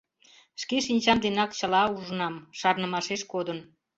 Шке шинчам денак чыла ужынам, шарнымашеш кодын...